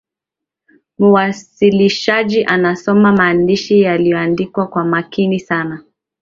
muwasilishaji anasoma maandishi yaliyoandikwa kwa makini sana